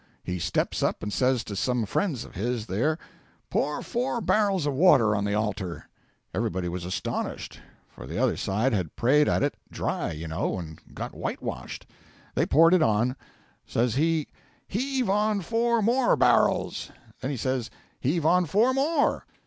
He steps up and says to some friends of his, there, "Pour four barrels of water on the altar!" Everybody was astonished; for the other side had prayed at it dry, you know, and got whitewashed. They poured it on. Says he, "Heave on four more barrels." Then he says, "Heave on four more."